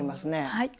はい。